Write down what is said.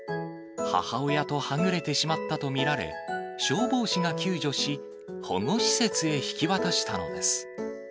母親とはぐれてしまったと見られ、消防士が救助し、保護施設へ引き渡したのです。